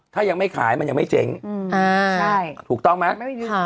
ถ้ายังไม่ขายมันยังไม่เจ๊งอ่าใช่ถูกต้องไหม